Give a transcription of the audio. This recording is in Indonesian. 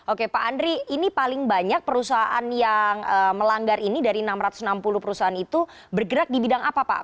oke pak andri ini paling banyak perusahaan yang melanggar ini dari enam ratus enam puluh perusahaan itu bergerak di bidang apa pak